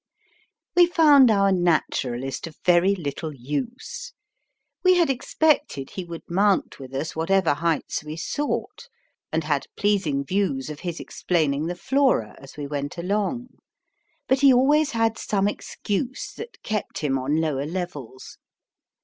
We found our Naturalist of very little use. We had expected he would mount with us whatever heights we sought, and had pleasing views of his explaining the flora as we went along. But he always had some excuse that kept him on lower levels.